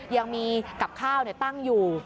ยังมีกับข้าวตั้งอยู่